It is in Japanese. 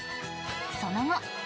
その後。